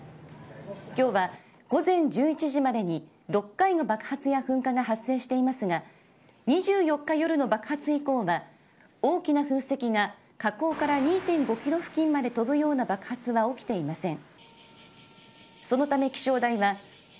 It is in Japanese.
今日は、午前１１時までに６回の爆発や噴火が発生していますが２４日夜の爆発以降大きな噴石が火口から２．６ｋｍ付近まで飛ぶような爆発は起きていません。